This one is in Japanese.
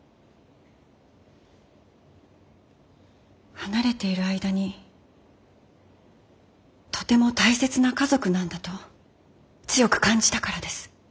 離れている間にとても大切な家族なんだと強く感じたからです。